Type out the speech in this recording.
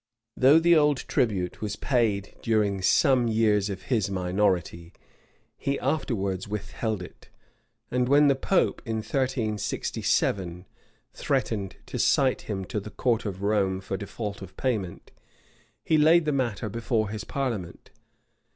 Though the old tribute was paid during some years of his minority,[] he afterwards withheld it; and when the pope, in 1367, threatened to cite him to the court of Rome for default of payment, he laid the matter before his parliament.